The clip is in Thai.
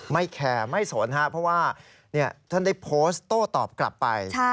ไม่แคร์ไม่สนเพราะว่าถ้าได้โพสต์โต้ตอบกลับไป